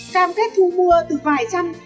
cam kết thu mua từ vài trăm